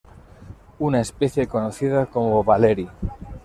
Una especie conocida como Valery.